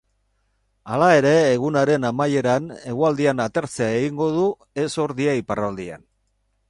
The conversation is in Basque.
Hala ere, egunaren amaieran hegoaldean atertzera egingo du, ez ordea iparraldean.